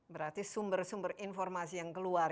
berarti sumber sumber informasi yang keluar